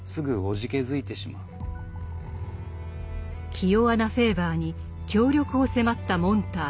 気弱なフェーバーに協力を迫ったモンターグ。